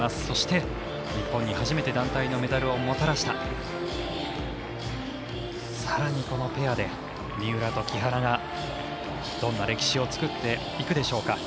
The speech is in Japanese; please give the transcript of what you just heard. そして、日本に初めて団体のメダルをもたらしたさらに、このペアで三浦と木原がどんな歴史を作っていくでしょうか。